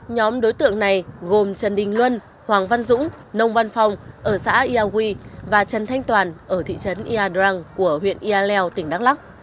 nhóm đối tượng này gồm trần đinh luân hoàng văn dũng nông văn phong ở xã ia huy và trần thanh toàn ở thị trấn ia drang của huyện ia leo tỉnh đắk lắk